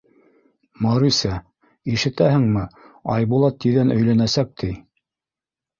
— Маруся, ишетәһеңме, Айбулат тиҙҙән өйләнәсәк, — ти.